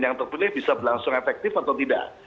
yang terpilih bisa berlangsung efektif atau tidak